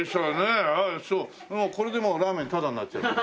これでもうラーメンタダになっちゃう。